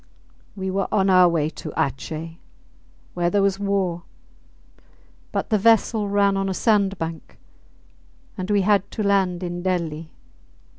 We were on our way to Atjeh, where there was war; but the vessel ran on a sandbank, and we had to land in Delli.